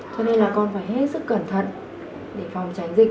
cho nên là con phải hết sức cẩn thận để phòng tránh dịch